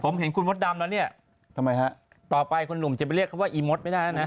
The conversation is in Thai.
ผมเห็นคุณมดดำแล้วเนี่ยต่อไปคุณหลุมจะไปเรียกเขาว่าอีมดไม่ได้นะ